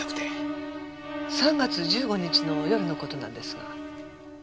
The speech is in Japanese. ３月１５日の夜の事なんですが。